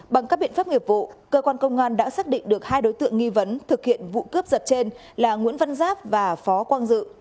bằng các biện pháp nghiệp vụ cơ quan công an đã xác định được hai đối tượng nghi vấn thực hiện vụ cướp giật trên là nguyễn văn giáp và phó quang dự